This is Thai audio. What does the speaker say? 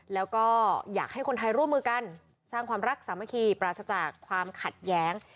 แล้วก็อยากให้คนไทยร่วมมือกันสร้างความรักสามัคคีปราศจากความขัดแย้ง